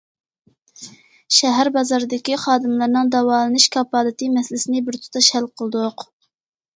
شەھەر، بازاردىكى خادىملارنىڭ داۋالىنىش كاپالىتى مەسىلىسىنى بىر تۇتاش ھەل قىلدۇق.